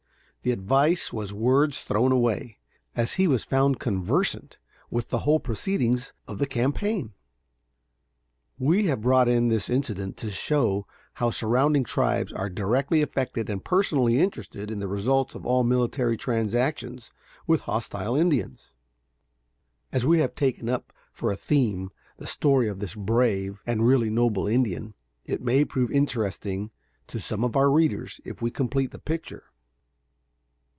The advice was words thrown away, as he was found conversant with the whole proceedings of the campaign. We have brought in this incident to show how surrounding tribes are directly affected and personally interested in the results of all military transactions with hostile Indians. As we have taken up for a theme the story of this brave and really noble Indian, it may prove interesting to some of our readers if we complete the picture.